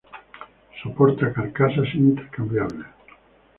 Soporta carcasas intercambiables.